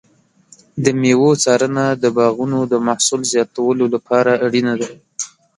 د مېوو څارنه د باغونو د محصول زیاتولو لپاره اړینه ده.